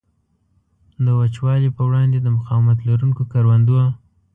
د وچوالي په وړاندې د مقاومت لرونکو کروندو.